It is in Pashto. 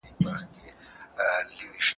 کاردستي د ماشومانو د ذهن او جسم هماهنګي زیاتوي.